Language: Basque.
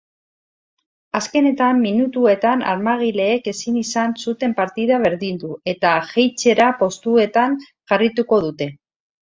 Azken minutuetan armaginek ezin izan zuten partida berdindu eta jeitsiera postuetan jarraituko dute.